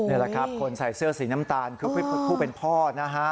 นี่แหละครับคนใส่เสื้อสีน้ำตาลคือผู้เป็นพ่อนะฮะ